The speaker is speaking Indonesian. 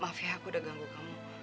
maaf ya aku udah ganggu kamu